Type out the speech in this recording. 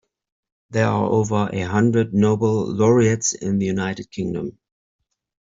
There are over a hundred noble laureates in the United Kingdom.